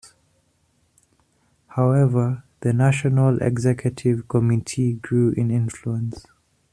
However, the National Executive Committee grew in influence.